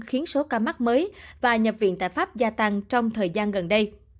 khiến số ca mắc mới và nhập viện tại pháp gia tăng trong thời gian gần đây